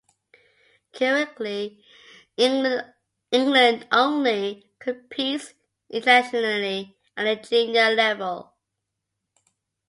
Currently, England only competes internationally at the junior level.